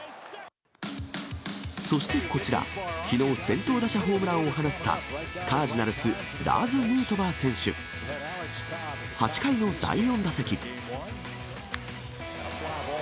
そしてこちら、きのう、先頭打者ホームランを放った、カージナルス、ラーズ・ヌートバー選手。８回の第４打席。